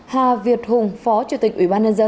hà việt hùng phó chủ tịch ubnd